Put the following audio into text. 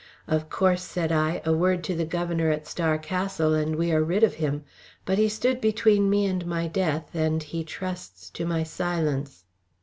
"Of course," said I, "a word to the Governor at Star Castle and we are rid of him. But he stood between me and my death, and he trusts to my silence."